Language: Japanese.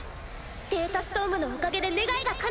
データストームのおかげで願いがかなうのに！